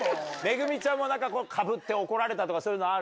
ＭＥＧＵＭＩちゃんもかぶって怒られたとかそういうのある？